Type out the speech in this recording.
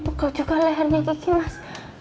pegau juga lehernya kiki mas